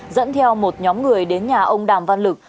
dẫn theo một nhóm người đến nhà ông đàm văn lực